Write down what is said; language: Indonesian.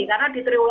karena di triwunnya